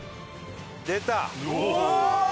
出た！